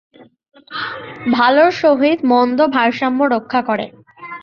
ভালর সহিত মন্দ ভারসাম্য রক্ষা করে।